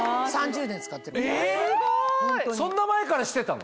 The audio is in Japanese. そんな前から知ってたの？